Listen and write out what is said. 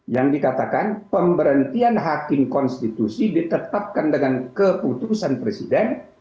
yang dikatakan pemberhentian hakim konstitusi ditetapkan dengan keputusan presiden